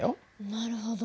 なるほど。